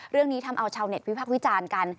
เรื่องนี้ทำเอาชาวเน็ตวิพักษ์วิจารณ์กัน